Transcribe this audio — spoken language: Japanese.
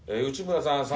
内村さん